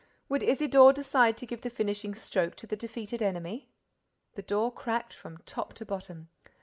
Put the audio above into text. Would Isidore decide to give the finishing stroke to the defeated enemy? The door cracked from top to bottom.